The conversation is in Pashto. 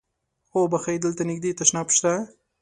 اوبښئ! دلته نږدې تشناب شته؟